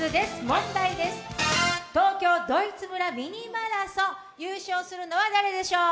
問題です、東京ドイツ村「ミニマラソン」優勝するのは誰でしょう。